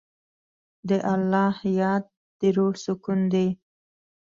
د الله یاد د روح سکون دی.